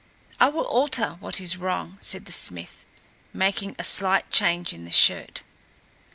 "I will alter what is wrong," said the smith, making a slight change in the shirt.